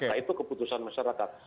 citra itu keputusan masyarakat